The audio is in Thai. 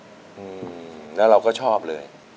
อืมแล้วเราก็ชอบเลย